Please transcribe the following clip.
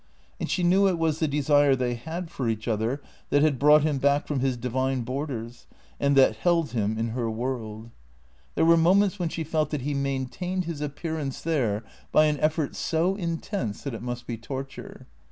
And she knew it was the desire they had for each other that had brought him back from his divine borders and that held him in her world. There were moments when she felt THE CEEA TORS 317 that he maintained his appearance there by an effort so intense that it must be torture.